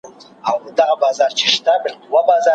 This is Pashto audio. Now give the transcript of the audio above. پوښتنه وکړئ چي زه څه کولای سم ترڅو بریالی سم.